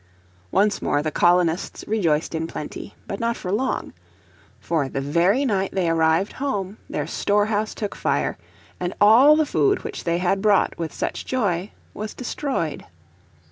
Once more the colonists rejoiced in plenty. But not for long. For the very night they arrived home their storehouse took fire, and all the food which they had brought with such joy was destroyed.